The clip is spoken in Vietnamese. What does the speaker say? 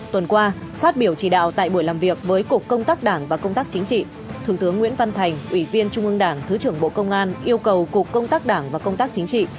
tuần qua phát biểu chỉ đạo tại buổi làm việc với cục công tác đảng và công tác chính trị thượng tướng nguyễn văn thành ủy viên trung ương đảng thứ trưởng bộ công an yêu cầu cục công tác đảng và công tác chính trị